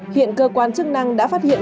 hiện cơ quan chức năng đã phát hiện